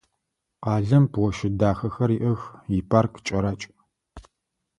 Къалэм площадь дахэхэр иӏэх, ипарк кӏэракӏ.